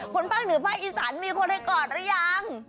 ภาคเหนือภาคอีสานมีคนให้กอดหรือยัง